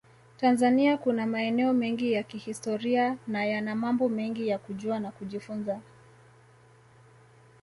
Tanzania kuna maeneo mengi ya kihistoria na yana mambo mengi ya kujua na kujifunza